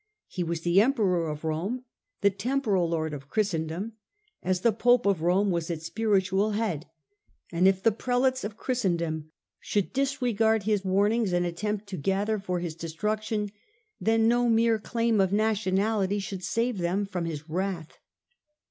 He was the Emperor of Rome, the temporal Lord of Christen dom, as the Pope of Rome was its spiritual head ; and if the Prelates of Christendom should disregard his warnings and attempt to gather for his destruction, then no mere claim of nationality should save them from his wrath.